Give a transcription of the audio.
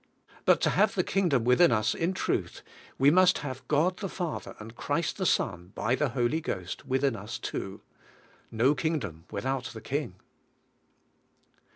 But to have the Kingdom within us in truth, we must have God the Father, and Christ the Son, by the Holy Ghost within us too. No Kingdom without the King.